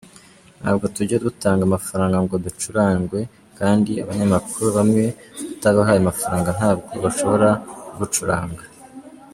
Ntabwo tujya dutanga amafaranga ngo ducurarangwe, kandi abanyamakuru bamwe utabahaye amafaranga ntabwo bashobora kugucuranga.